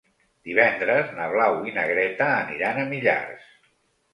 Divendres na Blau i na Greta aniran a Millars.